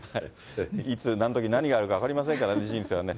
いつなんどき、何があるか分かりませんからね、人生はね。